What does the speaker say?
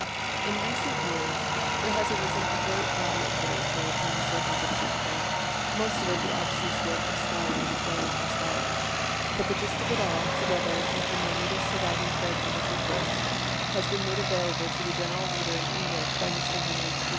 In recent years there has arisen a great body of literature upon the subject of Sappho, most of it the abstruse work of scholars writing for scholars. But the gist of it all, together with the minutest surviving fragment of her verse, has been made available to the general reader in English by Mr. Henry T.